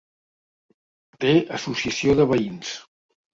Té associació de veïns.